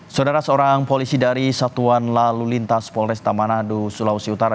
saudara seorang polisi dari satuan lalu lintas polresta manado sulawesi utara